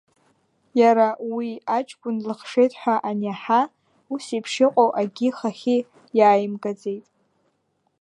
Иара, уи аҷкәын длыхшеит ҳәа аниаҳа, ус еиԥш иҟоу акгьы ихахьы иааимгаӡеит.